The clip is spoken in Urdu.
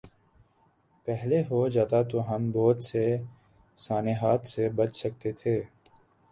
پہلے ہو جاتا تو ہم بہت سے سانحات سے بچ سکتے تھے۔